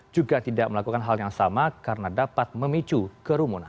juga tidak melakukan hal yang sama karena dapat memicu kerumunan